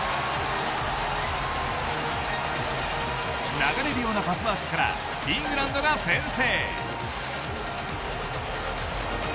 流れるようなパスワークからイングランドが先制。